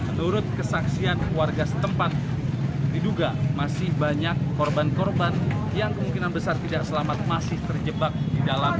menurut kesaksian warga setempat diduga masih banyak korban korban yang kemungkinan besar tidak selamat masih terjebak di dalam